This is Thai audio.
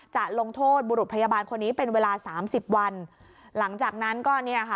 จะลงโทษบุรุษพยาบาลคนนี้เป็นเวลาสามสิบวันหลังจากนั้นก็เนี่ยค่ะ